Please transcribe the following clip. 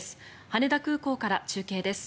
羽田空港から中継です。